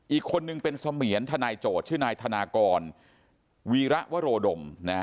อีกคนนึงเป็นเสมียนทนายโจทย์ชื่อนายธนากรวีระวโรดม